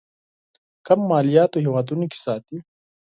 کم مالياتو هېوادونو کې ساتي.